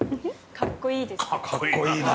かっこいいなあ！